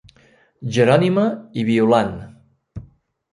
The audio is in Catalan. Jerònima i Violant.